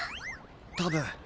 多分。